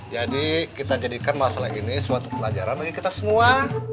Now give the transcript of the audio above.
jadi kita jadikan masalah ini suatu pelajaran bagi kita semua